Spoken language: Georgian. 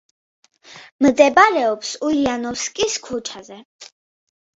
მდებარეობს ულიანოვსკის ქუჩაზე.